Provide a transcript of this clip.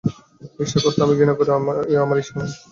ঈর্ষা করতে আমি ঘৃণা করি, এ আমার ঈর্ষা নয়।